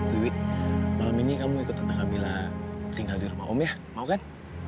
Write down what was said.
wiwi malam ini kamu ikut tentang kamila tinggal di rumah om ya mau kan